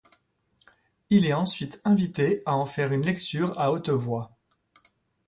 Il est ensuite invité à en faire une lecture à haute voix.